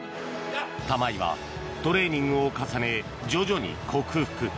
玉井はトレーニングを重ね徐々に克服。